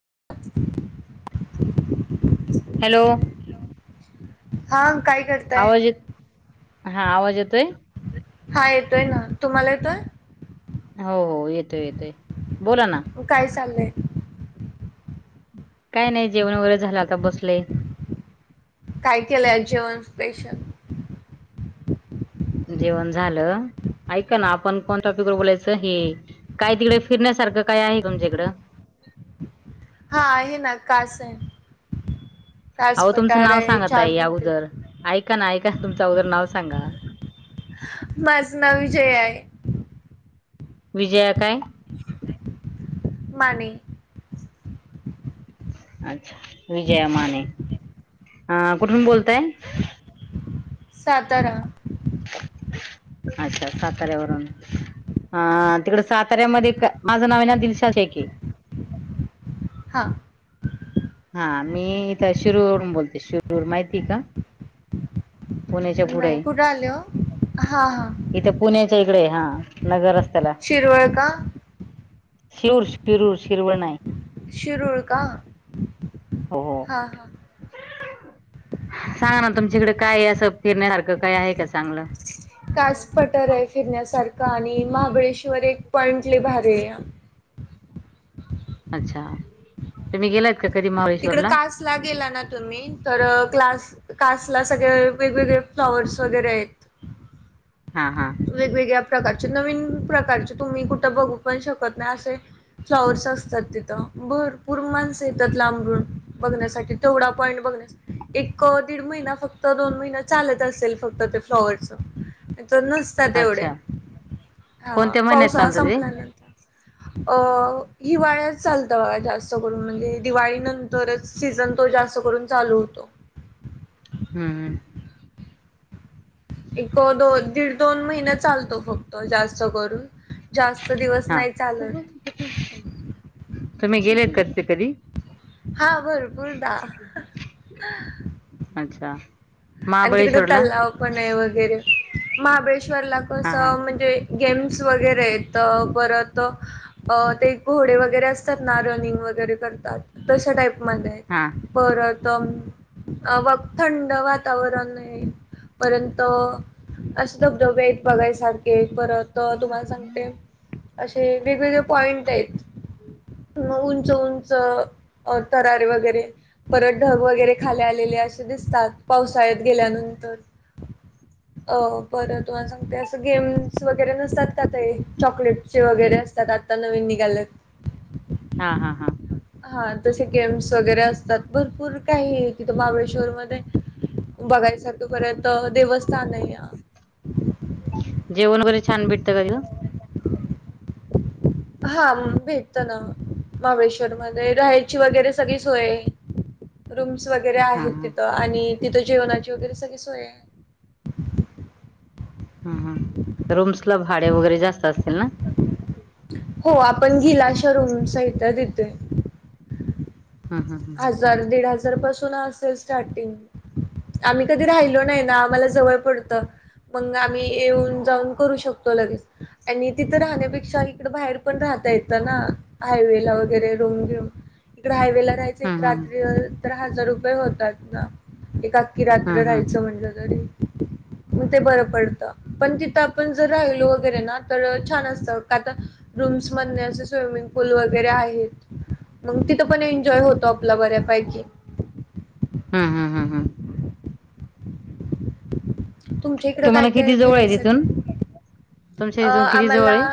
[unintelligible] Hello हा काय करताय? आवाज येत हा आवाज येतोय? हा येतोय ना, तुम्हाला येतोय? हो हो, येतोय, येतोय. बोला ना काय चाललंय? काय नाही जेवण वगैरे झालं आता, बसलंय. काय केलंय आज जेवण? स्पेशल! जेवण झालं ऐका ना आपण कोण टॉपिक वर बोलायचं हे, काय तिकडे फिरण्यासारखं काय आहे तुमच्याकडं. हा आहे ना कासय. अहो, तुमचं नाव सांगा ताई अगोदर. ऐका ना, ऐका, तुमचं अगोदर नाव सांगा. माझं नाव विजयाय. विजया काय? माणे. अच्छा विजया माने. अ कुठून बोलताय? सातारा. अच्छा साताऱ्या वरून. हा तिकड साताऱ्यामध्ये का, माझं नावय ना दिलशा शेखय. हा [unintelligible] हा, मी इथं शिरूरवरून बोलते. शिरूर माहिती का? पुण्याच्या नाही पुढय. कुठं आले हो? हा हा इथ पुण्याच्या इकडे हा, नगर रस्त शिरवळ का? शिरूर, शिरूर. शिरवळ नाही? शिरूळ का? हो हो हा हा. सांगा ना, तुमच्याकडे काय असं फिरण्यासारखं काय आहे का चांगलं? कास पठारय फिरण्यासारखं आणि महा महाबळेश्वर एक पॉईंट लय भारीया. अच्छा, तुम्ही गेलाइत का? कधी तिकडे महाबळेश्वरला कासला गेला ना तुम्ही, तर क्लास कासला सगळ्या वेगवेगळे फ्लॉवर्स वगैरेयत. हा हा वेगवेगळ्या प्रकारचे नवीन प्रकारचे, तुम्ही कुठं बघू पण शकत नाही. असय फ्लॉवर्स असतात तिथं. भरपूर माणस येतात लांबरून बघण्यासाठी, तेवढा पॉईंट बघ एक दीड महिना फक्त दोन महिना चालत असेल, फक्त ते फ्लॉवरच. तर नसतात एवढे. अच्छा हा, कोणत्या महिन्यात पावसाळा चालतं ते संपल्यानंतर. अ हिवाळ्या चालत बघा जास्त करून म्हणजे दिवाळी नंतरच सीझन तो जास्त करून चालू होतो. हम्म एक, दो दीड -दोन महिने चालतो फक्त, जास्त करून. जास्त दिवस हा नाही चालत. तुम्ही गेलेत का [unintelligible] कधी हा भरपूरदा. अच्छा आणि तिकड महाबळेश्वरला तलाव पणय वगैरे महाबळेश्वरला हा कस हा म्हणजे गेम्स वगैरेत. परत अ ते घोडे वगैरे असतात ना रनिंग व गैरे करतात, तशा टाईप मधे हा परत व थंड वात वातावरण आहे परयंत असे धबधबे आहेत बघायसारखे बर तुम्हाला सांगते असे वेगवेगळे पॉइंट आहेत. मग उंच उंच तरारे वगैरे परत ढग वगैरे खाले आलेले असे दिसतात. पावसाळ्यात गेल्यानंतर अ बरं तुम्हाला सांगते असं गेम्स वगैरे नसतात का ते चॉकलेट वगैरे असतात आता नवीन निघालत. हा हा हा हा तसे गेम्स वगैरे असतात भरपूर काही तिथं महाबळेश्वर मध्ये बघायस तोपर्यंत देवस्थान आहे. जेवण वगैरे छान भेटतं काय तिथे हा भेटत ना महाबळेश्वर मध्ये राहायची वगैरे सगळी सोय रुम वगैरे हा आहेत हा तिथं आणि तिथं जेवणाची वगैरे सगळे सोय आहेत ह ह रूम्स ला भाडे वगैरे जास्त असतील ना हो आपण घेऊ अशा रूम आहेत तिथे हम्म हम्म हम्म हजार दीड हजार पासून असेल स्टार्टिंग आम्ही कधी राहिलो नाही ना आम्हाला जवळ पडतं मग आम्ही येऊन जाऊन करू शकतो लगेच आणि तिथं राहण्यापेक्षा इकड बाहेर पण राह हायवे वरे इ हायवे एक हम्म हम्म रात्री तर हजार रुपये होतात ना एक अकी रात्र हम्म हम्म राहायचं म्हटलं तरी [unintelligible] ते बरं पडत पण तिथं आपण जर राहिलो वगैरे ना तर छान असतं का तर रूम मध्ये स्विमिंग पूल आहे तिथे पण एन्जॉय होतं. तॉपला बऱ्या पाहिकीे हम् हम् हम् हम् तुमच्या इकडं काय तुम्हाला काय किती जवळ आहे तिथून फिरायसखं तुमच्या अ इथून किती जवळ आम्हाला आहे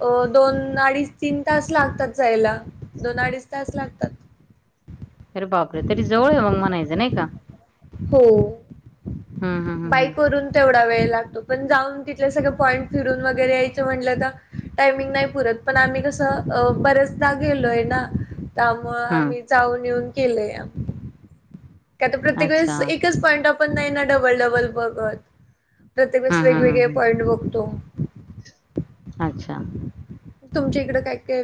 अ दोन अडीच तीन तास लागतात जायला दोन अडीच तास लागतात. अरे बापरे तरी जवळ आहे मग म्हणायचं नाही का हो हम्म हम्म हम्म बाईक हम्म वरून तेवढा वेळ पण जाऊन तिथ सग पॉईंट फिरून वगैरे यायचं म्हटलं तर टायमिंग नाही पुरत पण आम्ही कसं बरेचदा गेलोय ना त्यामु आम्ही हम्म जाऊन येऊन केलेय. ता प्रत्येक अच्छा वेळेस एकच पॉईंट आपण नाही ना डबल डबल बघत. हा प्रतेकच हा हा वेगवेगळे पॉइंट बघतो. अच्छा तुमच्या इकडें काय काय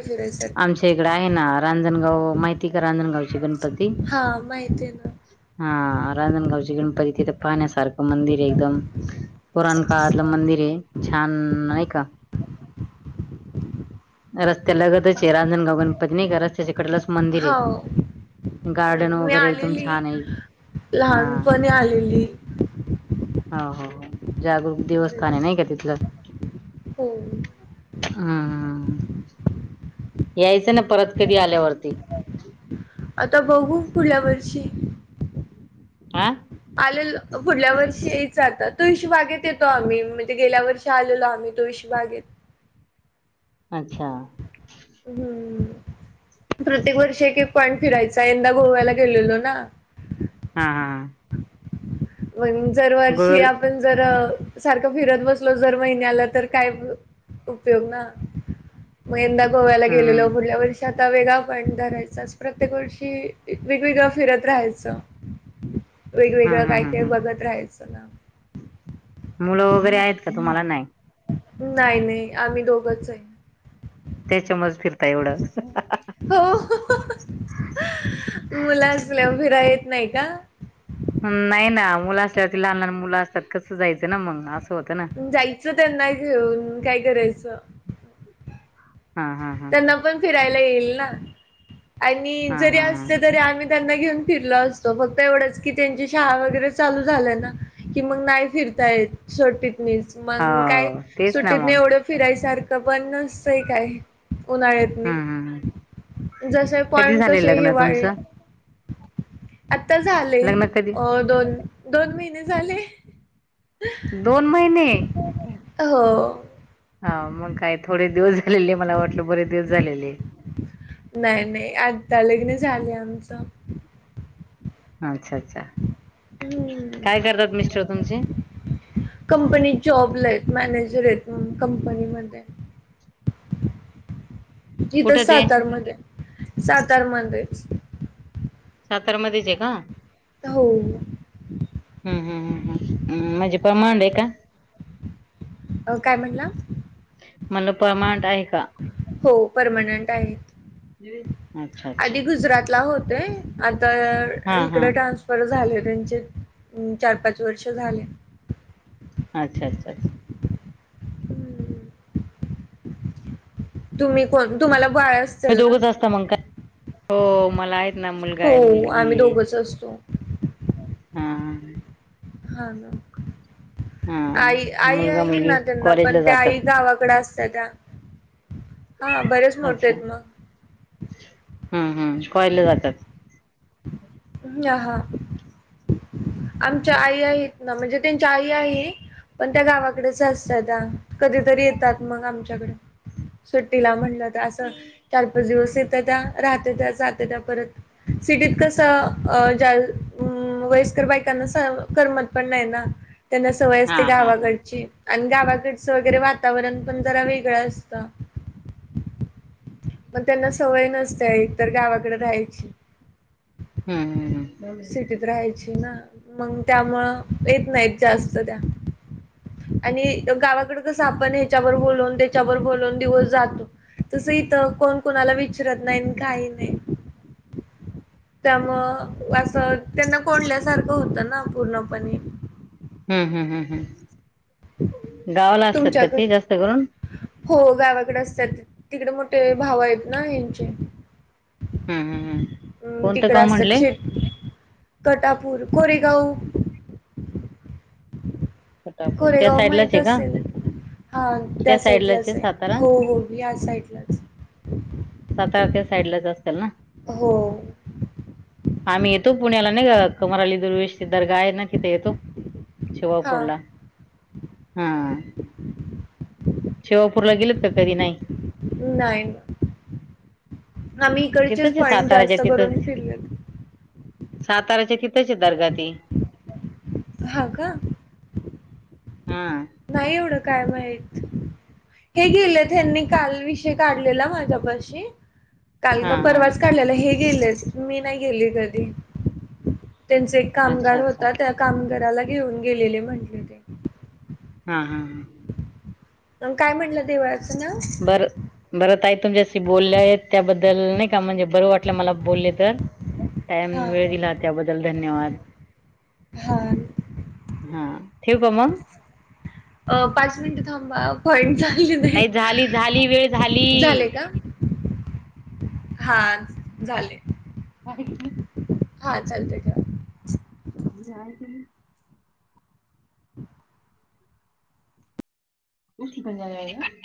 आमच्या फिरायसारखं इकड आहे ना रांजणगाव माहिती का रांजणगाव गपती हा माहिती आहे ना हा रांणगाव गणपती तिथ पाण्यासार मंदिर आहे एकदम पुरण काळलं मंदिर आहे छान नाही का रस्त्या लगतच आहे रांजणगाव गणपती नाही का रस्त्याच्याकड हो हो मी वगैरे एकदम आलेली छान आहे हा लहानपणी आलेली हो हो जागरूक देवस्थान आहे नाही का तिथलं हो हम हम यायचं ना परत कधी आल्यावरती आता बघू पुढल्या वर्षी आा पुढल्या वर्षी यायच आता तुळशी बागेत येतो आम्ही म्हणजे गेल्या वर्षी आलेलो आम्ही तुळशी बागेत बागेत अच्छा. हंम्म प्रत्येक वर्षी एक-एक पाॅईंट फिरायचा यंदा गोव्याला गेलेलो ना. हा हा मग दरवर्षी गोल आपण जर.. सारखं फिरत बसलो दर महिन्याला तर काय उपयोग ना? मग यंदा गोव्याला हम्म गेलेलो हम्म पुुढच्या वर्षात.. आता वेगळा पाॅईंट धरायचा प्रत्येक वर्षी वेगवेगळं फिरत राहायचं. वेगवेगळं हम्म हम्म काय-काय हम्म बघत राहायचं ना. मुलं वगैरे आहेत का तुम्हाला नाही? नाही-नाही आम्ही दोघंच आहे. त्याच्या मुळेच फिरता एवढं.. हो मुलं असल्या वर फिरा येत नाही का? नाही ना, मुलं असल्यावर लहान-लहान मुलं असतात कसं जायचं ना मग असं. होतं ना जायचं त्यांना घेऊन काय करायचं. हा हा हा त्यांना पण फिरायला येईल ना? आणि हा जरी हा असते तरी आम्ही... त्यांना घेऊन फिरलो असतो फक्त एवढंच की त्यांची शाळा वगैरे चालू झाल्या ना की मग नाही फिर... येत [unintelligible] मीच मग काय हो तेच ना सुट्टीत नाही मग एवढं फिरायसारख पण नसतय काय. उन्हाळ्यात हम्म हम्म नाही जसे कधी पॉइंट झाले कसे लग्न हिवाळे.. तुमचं आता झाले लग्न कधी अ दोन, दोन महिने झाले. दोन महिने? हो. हां मंग काय.. थोडेच दिवस झालेले, मला वाटल बरे दिवस झालेले. नाही, नाही आत्ता लग्न झाले आमच. अच्छा, अच्छा काय हम्म. करतात मिस्टर तुमचे? कंपनीत जॉबला आहेत मॅनेजर आहेत मं कंपनीमध्ये. इथ कुठं ते सातार मध्ये, सातार मध्येच. साताऱ्यामध्येच आहे का? हो. हं, हं, हं, हं म्हणजे पर्मनंट आहे का? अं काय म्हणला? म्हणलं परमानंट आहे का [unintelligible] हो परमनंट आहे. अच्छा, अच्छा. होते हा आता हा इकडं ट्रान्सफर झालेत. त्यांचे चार-पाच वर्ष झाले. अच्छा, अच्छा, अच्छा. हम्म. तुम्ही पण, तुम्हाला बाळ तुम्ही असेल ना? दोघंच असता मग काय हो मला.. ना मुलगा हो आहे मुलगी आम्ही दोघंच असतो. हं हां ना. हा आई-आई मुलगा आहे मुलगी ना त्यांना, कॉलेजला पण त्या आई जातात गावाकडे अस.. त्या हा, बरेच मोठे अच्छा आहेत मग. हम्म हम्म कॉलेज ला जातात. [unintelligible] अं आहा.. आमच्या आई आहेत ना? म्हणजे त्यांच्या आई आहे. पण त्या गावाकडेच असतात कधीतरी येतात मग आमच्याकड. सुट्टीला म्हणल तर अस. चार-पाच दिवस येतं त्या, राहतं त्या, जातं त्या परत सिटीत कसं.. अं ज्या अं वयस्कर बायकांना करमत पण नाही ना? त्यांना सवय हा असतें हा हा गावाकडची आणि गावाकडचं वगैरे वातावरण पण जरा वेगळं असतं. पण त्यांना सवय नसते एकतर गावाकडे राहायची. हम्म हम्म हम्म सिटीत राहायची ना मग? त्यामुळे येत नाहीत जास्त त्या आणि गावाकड कसं आपण ह्याच्यावर बोलवून त्याच्यावर बोलून दिवस जातो. तसं इथं कोण कोणाला विचारत नाही काही नाही [inaudible] त्यामुळेअसं त्यांना कोडल्यासारखं होतं ना पूर्णपणे. हम्म हम्म हम्म गावाला असतात तुमच्या का ते घरी जास्त करून. हो गावाकडे असतात तिकडे मोठे भाव आहेत ना ह्यांचे. हम्म हम्म हम्म कोणतं गाव असतात म्हणले? शेट कटापूर कोरेगाव. फटापूर त्या कोरेगाव साईडलाच माहित आहे का असेल? हा त्या साइडला आहे हो हो या साइडलाच. सातारच साइडलाच असेल ना? हो. आम्ही येतो पुण्याला नाही ग कमरली दुर्वेशची दर्गा आहे, ना तिथे येतो शेवा हा पुरला हा. शेवापूरला गेलत का कधी नाही? नाही. आम्ही इकडचे तिथंच आहे पाईंट साताऱ्याच्या जास्त तिथंच करून फिरलेत. साताऱ्याच्या तिथंच दर्गा ते. हा का? हा नाही एवढं काय माहित. हे गेले त्यांनी काल विषय काढलेला माझ्यापाशी. काल हा का हा परवाच काढलेला हे गेलेत मी नाही गेली कधी. त्यांचा एक अच्छा कामगार अच्छा होता, त्या कामगाराला घेऊन गेलेले म्हटले ते. हा हा. अ काय म्हटलं देवळात. बरं बरं ताई तुमच्याशी बोलले आहे त्याबद्दल बदल नाही का म्हणजे बरं वाटलं मला बोलले तर टाइम हा वेळ दिला त्याबद्दल धन्यवाद. हा. हा ठेवू का मग? अ पाच मिनटं थांबा पॉइंट झाले नाही झाली झाली वेळ नाहीत झाले का? झाली हा झाले. का [inaudible] हा चालते का? म काय तली [unintelligible] [inaudible] क प जा [inaudible]